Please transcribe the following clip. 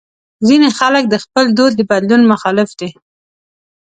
ځینې خلک د خپل دود د بدلون مخالف دي.